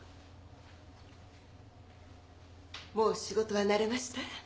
もう仕事は慣れました？